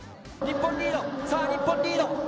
日本リード、さあ、日本リード！